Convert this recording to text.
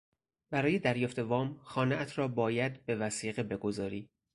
برای دریافت وام، خانهات را باید به وثیقه بگذاری.